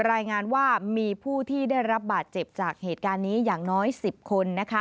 รายงานว่ามีผู้ที่ได้รับบาดเจ็บจากเหตุการณ์นี้อย่างน้อย๑๐คน